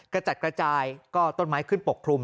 กระจัดกระจายก็ต้นไม้ขึ้นปกคลุม